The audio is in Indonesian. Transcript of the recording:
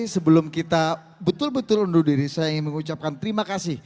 sebelum kita betul betul undur diri saya ingin mengucapkan terima kasih